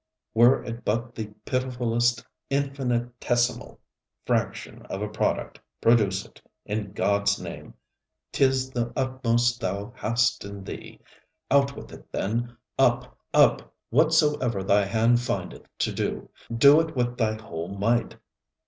Were it but the pitifullest infinitesimal fraction of a product, produce it, in GodŌĆÖs name! ŌĆÖTis the utmost thou hast in thee; out with it, then. Up, up! whatsoever thy hand findeth to do, do it with thy whole might.